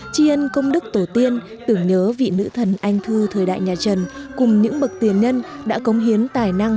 chi hân công đức tổ tiên tưởng nhớ vị nữ thần anh thư thời đại nhà trần cùng những bậc tiền nhân đã cống hiến tài năng